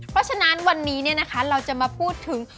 เพราะฉะนั้นวันนี้เราจะมาพูดถึง